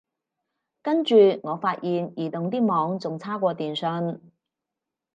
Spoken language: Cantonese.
跟住我發現移動啲網仲係差過電信